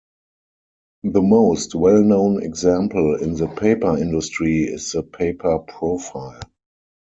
The most well known example in the paper industry is the Paper Profile.